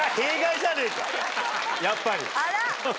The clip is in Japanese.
やっぱり。